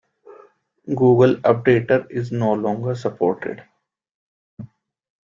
Google Updater is no longer supported.